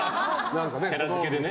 キャラ付けでね。